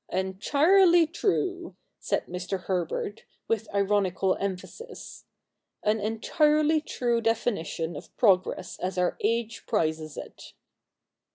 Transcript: ' Entirely true !' said Mr. Herbert, with ironical emphasis ;' an entirely true definition of progress as our age prizes it.'